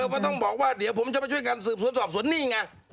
มันต้องบอกว่าเดี๋ยวผมจะไปช่วยกันสืบสวนสอบสวนนี่ไง